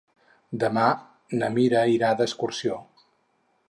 Demà na Mira irà d'excursió.